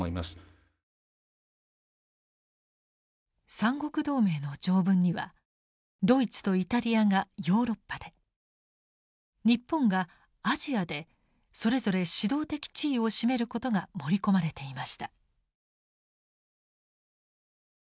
三国同盟の条文にはドイツとイタリアがヨーロッパで日本がアジアでそれぞれ指導的地位を占めることが盛り込まれていました。